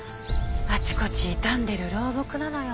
あちこち傷んでる老木なのよ。